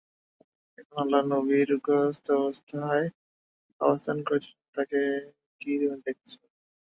এখানে আল্লাহর নবী রোগগ্রস্ত অবস্থায় অবস্থান করছিলেন তাঁকে কি তুমি দেখেছ?